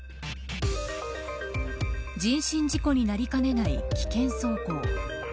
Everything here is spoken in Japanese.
人身事故になりかねない危険走行。